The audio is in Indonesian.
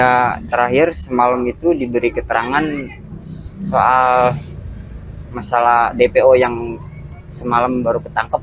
ya terakhir semalam itu diberi keterangan soal masalah dpo yang semalam baru ketangkep